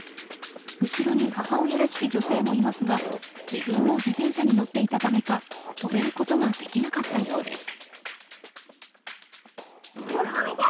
後ろに母親らしき女性もいますが自分も自転車に乗っていたためか止めることができなかったようです。